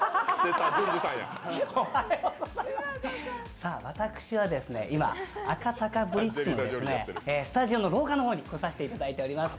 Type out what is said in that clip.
さぁ、私は今、赤坂ＢＬＩＴＺのスタジオの廊下の方に来させてもらっております。